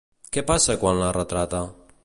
Què passa quan la retrata?